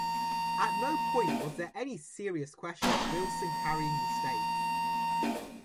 At no point was there any serious question of Wilson carrying the state.